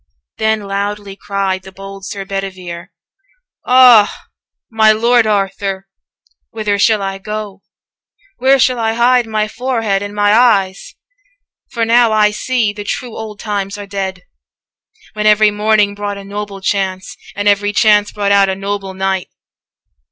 225 Then loudly cried the bold Sir Bedivere, 'Ah! my Lord Arthur, whither shall I go? Where shall I hide my forehead and my eyes? For now I see the true old times are dead, When every morning brought a noble chance, 230 And every chance brought out a noble knight.